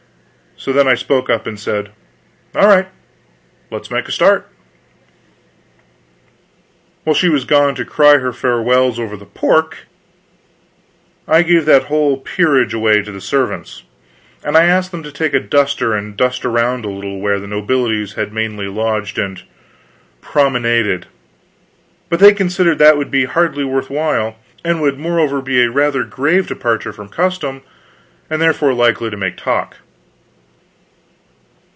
So then I spoke up and said: "All right; let us make a start." While she was gone to cry her farewells over the pork, I gave that whole peerage away to the servants. And I asked them to take a duster and dust around a little where the nobilities had mainly lodged and promenaded; but they considered that that would be hardly worth while, and would moreover be a rather grave departure from custom, and therefore likely to make talk.